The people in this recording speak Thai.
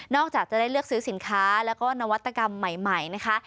จากจะได้เลือกซื้อสินค้าแล้วก็นวัตกรรมใหม่นะคะ